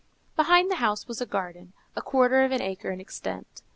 Behind the house was a garden, a quarter of an acre in extent.